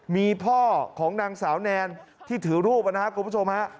มีพ่อของนางสาวแนนที่ถือรูปนะครับคุณผู้ชมฮะ